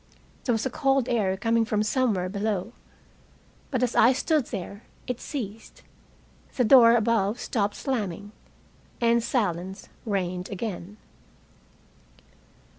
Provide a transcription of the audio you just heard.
There was a cold air coming from somewhere below. But as I stood there it ceased. The door above stopped slamming, and silence reigned again.